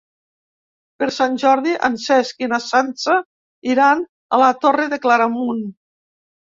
Per Sant Jordi en Cesc i na Sança iran a la Torre de Claramunt.